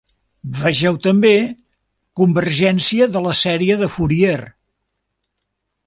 Vegeu també: Convergència de la sèrie de Fourier.